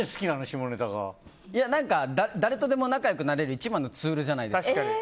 誰とでも仲良くなれる一番のツールじゃないですか。